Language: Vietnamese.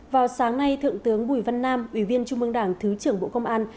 vào sáng nay thượng tướng bùi văn nam ủy viên trung mương đảng thứ trưởng bộ công an